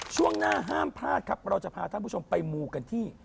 ช่วงหน้าห้ามพลาดครับเราจะพาท่านผู้ชมไปมูกันที่